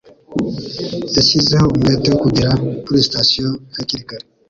Yashyizeho umwete wo kugera kuri sitasiyo hakiri kare.